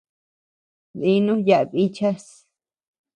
Dínu yaʼa bichas.